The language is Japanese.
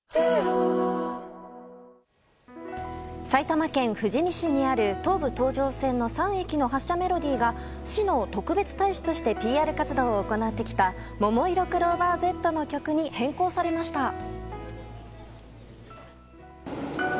埼玉県富士見市にある東武東上線の３駅の発車メロディーが市の特別大使としてＰＲ活動を行ってきたももいろクローバーＺの曲に変更されました。